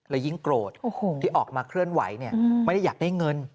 และยิ่งโกรธที่ออกมาเคลื่อนไหวไม่ได้อยากได้เงิน